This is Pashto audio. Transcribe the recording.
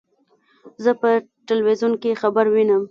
زه په ټلویزیون کې خبر وینم.